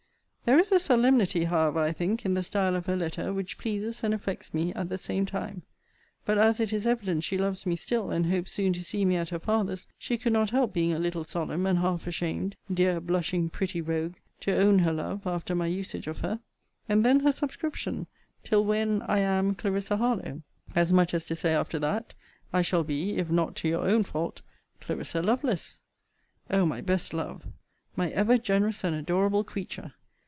There is a solemnity, however, I think, in the style of her letter, which pleases and affects me at the same time. But as it is evident she loves me still, and hopes soon to see me at her father's, she could not help being a little solemn, and half ashamed, [dear blushing pretty rogue!] to own her love, after my usage of her. And then her subscription: Till when, I am, CLARISSA HARLOWE: as much as to say, after that, I shall be, if not to your own fault, CLARISSA LOVELACE! O my best love! My ever generous and adorable creature!